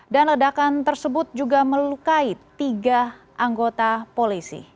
dan ledakan tersebut juga melukai tiga anggota polisi